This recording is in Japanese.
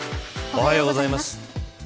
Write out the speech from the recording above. おはようございます。